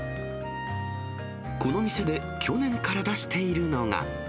この店で去年から出しているのが。